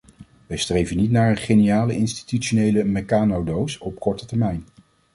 Wij streven niet naar een geniale institutionele meccanodoos op korte termijn.